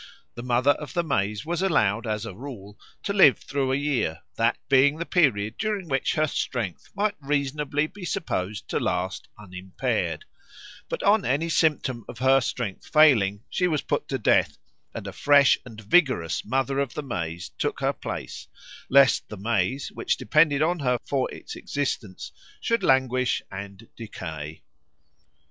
The Mother of the maize was allowed, as a rule, to live through a year, that being the period during which her strength might reasonably be supposed to last unimpaired; but on any symptom of her strength failing she was put to death, and a fresh and vigorous Mother of the Maize took her place, lest the maize which depended on her for its existence should languish and decay.